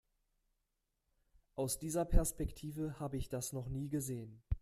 Aus dieser Perspektive habe ich das noch nie gesehen.